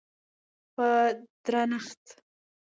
په درنښت